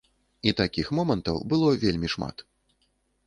І такіх момантаў было вельмі шмат.